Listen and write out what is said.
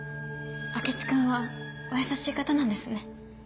明智君はお優しい方なんですね。